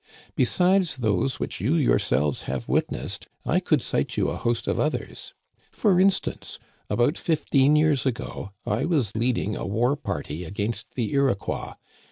Besides those which you yourselves have wit nessed, I could cite you a host of others. For instance, about fifteen years ago I was leading a war party against the Iroquois.